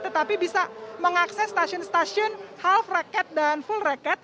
tetapi bisa mengakses stasiun stasiun half rakyat dan full rakyat